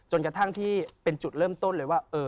กระทั่งที่เป็นจุดเริ่มต้นเลยว่า